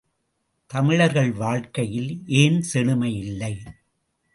தமிழர்கள் வாழ்க்கையில் ஏன் செழுமையில்லை?